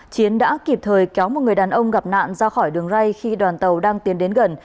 chiến đã kịp thời kéo một người đàn ông gặp nạn ra khỏi đường ray khi đoàn tàu đang tiến đến gần